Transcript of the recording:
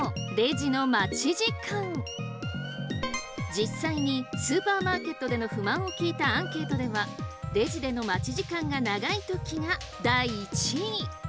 実際にスーパーマーケットでの不満を聞いたアンケートでは「レジでの待ち時間が長いとき」が第１位！